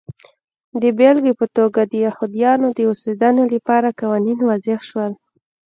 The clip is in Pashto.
د بېلګې په توګه د یهودیانو د اوسېدنې لپاره قوانین وضع شول.